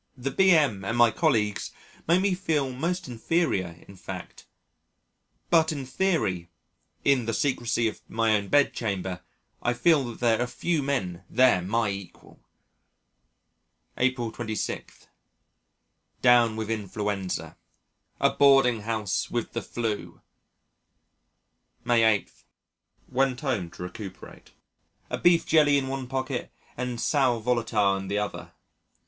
The B.M. and my colleagues make me feel most inferior in fact, but in theory in the secrecy of my own bedchamber I feel that there are few men there my equal. April 26. Down with influenza. A boarding house with the 'flue! May 8. Went home to recuperate, a beef jelly in one pocket and sal volatile in the other.